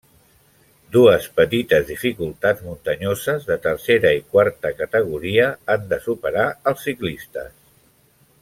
Dues petites dificultats muntanyoses, de tercera i quarta categoria, han de superar els ciclistes.